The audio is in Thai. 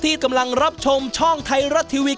ที่กำลังรับชมช่องไทยรัฐทีวี